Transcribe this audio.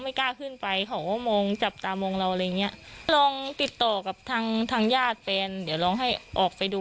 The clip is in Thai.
ทั้งณะมีคนเฝ้าไม่กล้าขึ้นไปเขามองจับตามองเรา